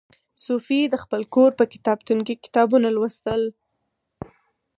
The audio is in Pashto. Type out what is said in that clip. صوفي د خپل کور په کتابتون کې کتابونه لوستل.